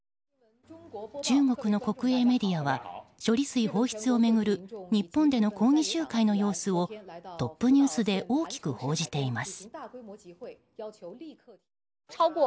中国の国営メディアは処理水放出を巡る日本での抗議集会の様子をトップニュースで大きく報じています。